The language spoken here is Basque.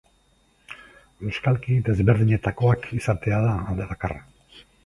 Euskalki desberdinetakoak izatea da alde bakarra.